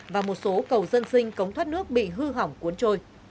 và một số cầu dân sinh cống thoát nước bị hư hỏng cuốn trôi